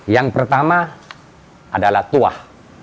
yang pertama adalah tuah